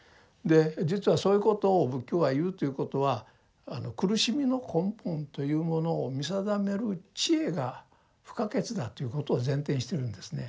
実はそういうことを仏教が言うということは苦しみの根本というものを見定める智慧が不可欠だということを前提にしてるんですね。